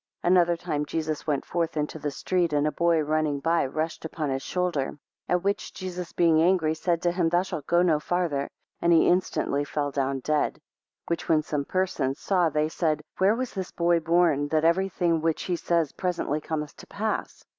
7 Another time Jesus went forth into the street, and a boy running by, rushed upon his shoulder; 8 At which Jesus being angry, said to him, Thou shalt go no farther; 9 And he instantly fell down dead: 10 Which when some persons saw, they said, Where was this boy born, that every thing which he says presently cometh to pass?